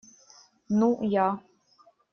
Ну, я.